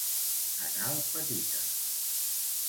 Anal petita.